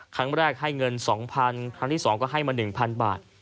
ครั้งแรกให้เงินสองพันครั้งที่สองก็ให้มาหนึ่งพันบาท